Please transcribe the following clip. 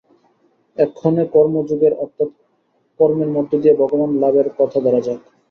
এক্ষণে কর্মযোগের অর্থাৎ কর্মের মধ্য দিয়া ভগবান্-লাভের কথা ধরা যাক।